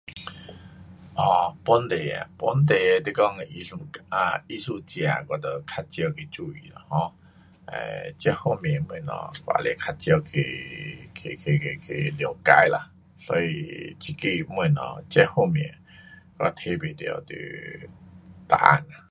啊，本地的，本地的你讲艺术，啊，艺术家，我就较少去注意啦，um 呃，这方面东西我也是较少去，去，去，去，去了解啦，所以这个东西这方面我提不到你答案啊。